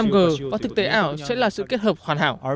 năm g và thực tế ảo sẽ là sự kết hợp hoàn hảo